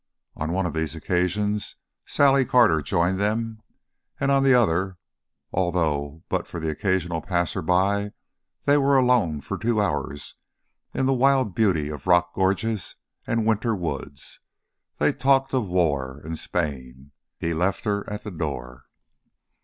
On one of these occasions Sally Carter joined them; and on the other, although but for the occasional passer by they were alone for two hours in the wild beauty of rocky gorges and winter woods, they talked of war and Spain. He left her at the door.